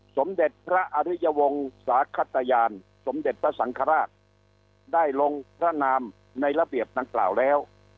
สมเด็จพระอริยวงศาขตยานสมเด็จพระสังฆราชได้ลงพระนามในระเบียบดังกล่าวแล้ว